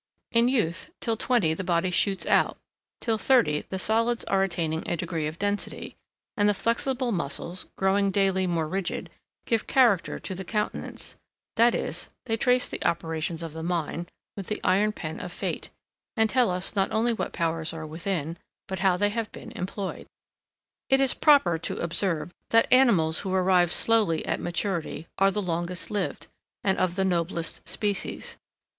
In youth, till twenty the body shoots out; till thirty the solids are attaining a degree of density; and the flexible muscles, growing daily more rigid, give character to the countenance; that is, they trace the operations of the mind with the iron pen of fate, and tell us not only what powers are within, but how they have been employed. It is proper to observe, that animals who arrive slowly at maturity, are the longest lived, and of the noblest species.